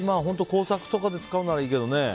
工作とかで使うならいいけどね。